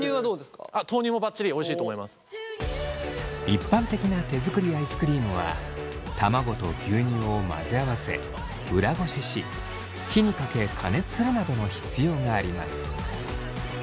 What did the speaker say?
一般的な手作りアイスクリームは卵と牛乳を混ぜ合わせ裏ごしし火にかけ加熱するなどの必要があります。